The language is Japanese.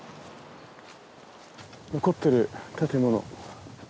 残ってる建物。